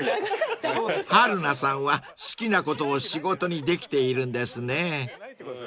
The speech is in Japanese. ［春菜さんは好きなことを仕事にできているんですね］